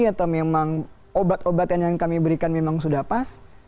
atau memang obat obatan yang kami berikan memang sudah pas